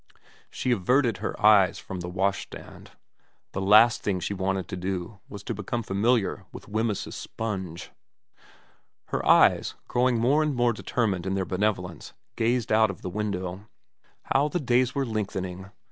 She averted her eyes from the washstand. The last thing she wanted to do was to become familiar with Wemyss's sponge. Her eyes, growing more and more determined in their benevolence, gazed out of the window. How the days were lengthening.